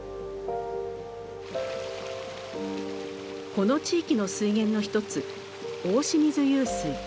この地域の水源の一つ大清水湧水。